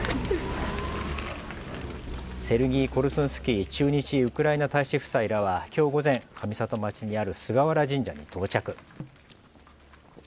セルギー・コルスンスキー駐日ウクライナ大使夫妻らはきょう午前、上里町にある菅原神社に到着。